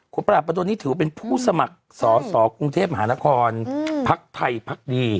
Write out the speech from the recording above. คุณปราบประดนนี่ถือว่าเป็นผู้สมัครสอสอกรุงเทพมหานครพักไทยพักดี